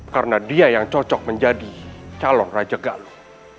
karena dia yang cocok menjadi calon raja galuh